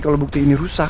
kalau bukti ini rusak